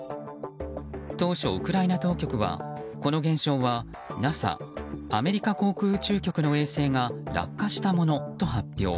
当初、ウクライナ当局はこの現象はＮＡＳＡ・アメリカ航空宇宙局の衛星が落下したものと発表。